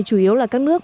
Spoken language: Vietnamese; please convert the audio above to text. chủ yếu là các nước